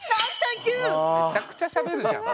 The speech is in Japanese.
めちゃくちゃしゃべるじゃん。